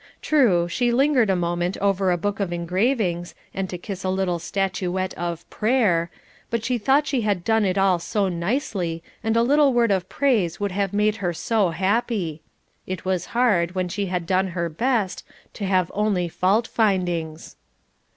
True, she lingered a moment over a book of engravings, and to kiss a little statuette of "Prayer," but she thought she had done it all so nicely, and a little word of praise would have made her so happy. It was hard, when she had done her best, to have only fault findings.